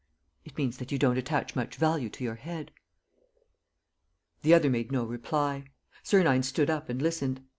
it means that you don't attach much value to your head." The other made no reply. Sernine stood up and listened.